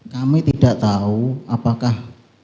kami tidak tahu apakah